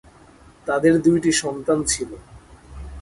তাদের দুইটি সন্তান ছিল।